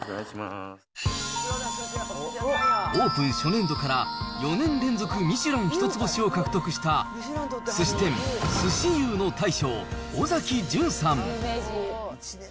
オープン初年度から４年連続ミシュラン一つ星を獲得したすし店、鮨由うの大将、尾崎淳さん。